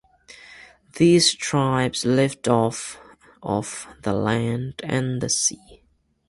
These tribes lived off of the land and the sea.